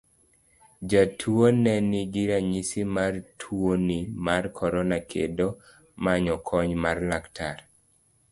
Jatuono ne nigi ranyisi mar tuoni mar korona kendo manyo kony mar laktar.